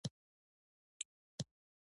ما په تلوار او بې واره منډې وهلې نږدې و.